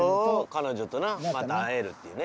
彼女となまた会えるっていうね